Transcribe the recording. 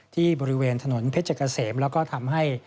ที่บริเวณถนนเพชรเกษมแล้วก็ทำให้